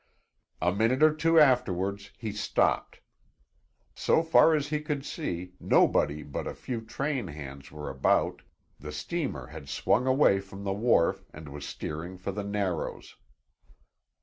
A minute or two afterwards he stopped. So far as he could see, nobody but a few train hands were about; the steamer had swung away from the wharf and was steering for the Narrows.